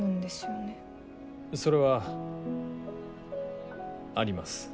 それはあります。